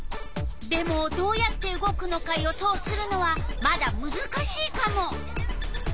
でもどうやって動くのか予想するのはまだむずかしいカモ。